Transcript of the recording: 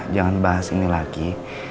jangan bahas ini lagi